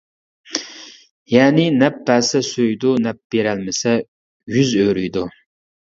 يەنى نەپ بەرسە سۆيىدۇ، نەپ بېرەلمىسە يۈز ئۆرۈيدۇ.